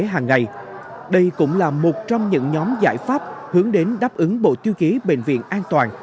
hàng ngày đây cũng là một trong những nhóm giải pháp hướng đến đáp ứng bộ tiêu chí bệnh viện an toàn